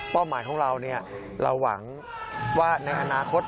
หมายของเราเราหวังว่าในอนาคต